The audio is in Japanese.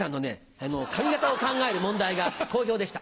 髪形を考える問題が好評でした。